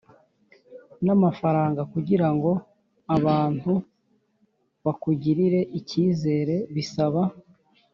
n amafaranga Kugira ngo abantu bakugirire icyizere bisaba